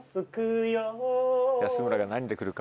安村が何で来るか